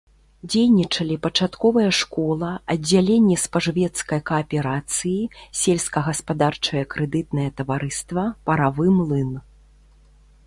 Дзейнічалі пачатковая школа, аддзяленне спажывецкай кааперацыі, сельскагаспадарчае крэдытнае таварыства, паравы млын.